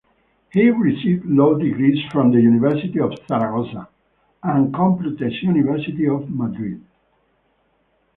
He received law degrees from the University of Zaragoza and Complutense University of Madrid.